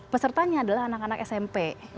pesertanya adalah anak anak smp